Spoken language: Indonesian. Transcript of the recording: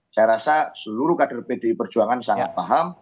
saya rasa seluruh kader pdi perjuangan sangat paham